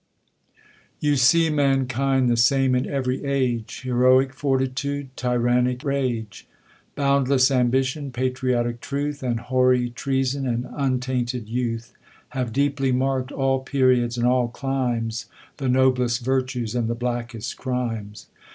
YOU see mankind the same in every age \ Heroic fortitude, tyrannic rage, Boundless ambition, patriotic truth, And hoary treason, and untainted youth, Have deeply markM all periods and all climes, The noblest virtues, and the blackest crimes.